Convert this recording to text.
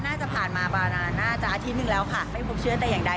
น่าจะผ่านมาประมาณน่าจะอาทิตย์หนึ่งแล้วค่ะไม่พบเชื้อแต่อย่างใด